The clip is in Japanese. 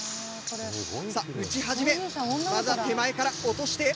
さあ打ち始めまずは手前から落として。